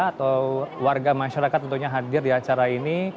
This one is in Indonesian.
atau warga masyarakat tentunya hadir di acara ini